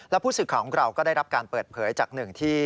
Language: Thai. แล้วผู้ศึกของเราก็ได้รับการเปิดเผยจากหนึ่งที่